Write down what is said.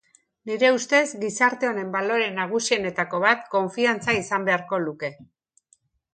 Nire ustez, gizarte honen balore nagusienetako bat konfidantza izan beharko luke.